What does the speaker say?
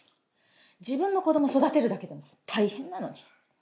自分の子供育てるだけでも大変なのに。